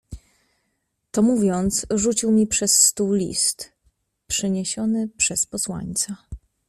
"To mówiąc, rzucił mi przez stół list, przyniesiony przez posłańca."